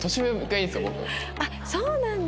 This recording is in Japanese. あっそうなんだ。